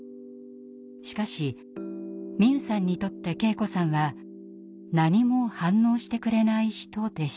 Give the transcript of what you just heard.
しかし美夢さんにとって圭子さんは「何も反応してくれない人」でした。